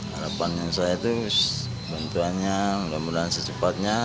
harapan yang saya itu bantuannya mudah mudahan secepatnya